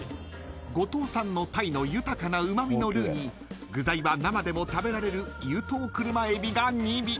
［五島産のタイの豊かなうま味のルーに具材は生でも食べられる有頭車エビが２尾］